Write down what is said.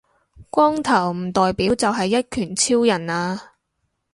光頭唔代表就係一拳超人呀